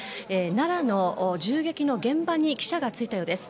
奈良の銃撃の現場に記者が着いたようです。